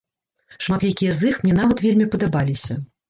Шматлікія з іх мне нават вельмі падабаліся.